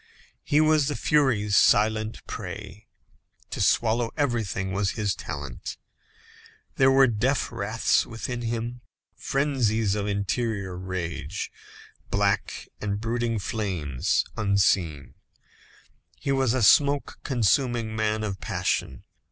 He was the furies' silent prey. To swallow everything was his talent. There were deaf wraths within him, frenzies of interior rage, black and brooding flames unseen; he was a smoke consuming man of passion.